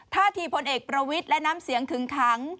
ท่าทีพลเอกประวิทย์และน้ำเสียงขึงขัง